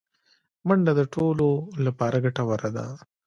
منډه د ټولو لپاره ګټوره ده